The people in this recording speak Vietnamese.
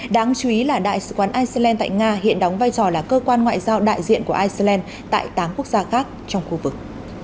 đáng chú ý là đại sứ quán iceland tại nga hiện đóng vai trò là cơ quan ngoại giao đại diện của iceland tại tám quốc gia khác trong khu vực